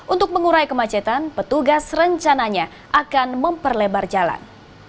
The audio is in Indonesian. untuk mengurai kemacetan petugas rencananya akan memperlebar jalan